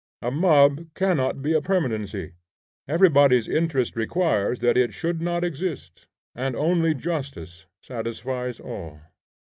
A mob cannot be a permanency; everybody's interest requires that it should not exist, and only justice satisfies all.